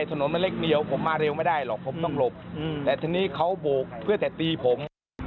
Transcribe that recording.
แต่ทีนี้เขาโบกเพื่อแต่ตีผม